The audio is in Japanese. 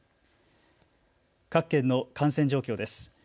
各県の感染状況です。